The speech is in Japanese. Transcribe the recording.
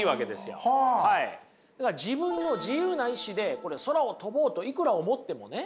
だから自分の自由な意思でこれ空を飛ぼうといくら思ってもね